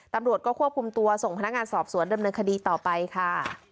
ตำรวจก็ควบคุมตัวส่งพนักงานสอบสวนดำเนินคดีต่อไปค่ะ